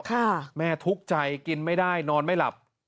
แม่ทุกข์ใจกินไม่ได้นอนไม่หลับ